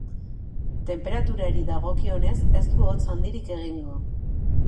Tenperaturari dagokionez, ez du hotz handirik egingo.